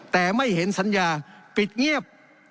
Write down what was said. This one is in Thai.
แต่ไม่เห็นสัญญาปิดเงียบ